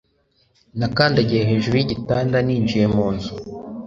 Nakandagiye hejuru yigitanda ninjiye mu nzu